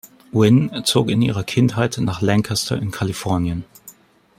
Wynn zog in ihrer Kindheit nach Lancaster in Kalifornien.